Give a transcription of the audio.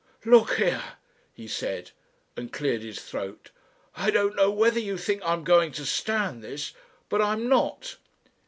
"Look here," he said, and cleared his throat. "I don't know whether you think I'm going to stand this, but I'm not."